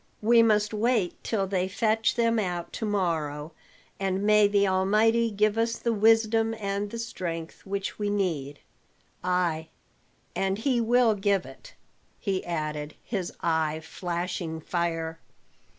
We must wait till they fetch them out to morrow, and may the Almighty give us the wisdom and the strength which we need. Ay, and he will give it," he added, his eye flashing fire.